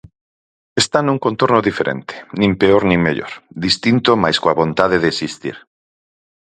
Está nun contorno diferente, nin peor nin mellor, distinto mais coa vontade de existir.